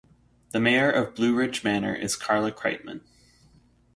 The Mayor of Blue Ridge Manor is Carla Kreitman.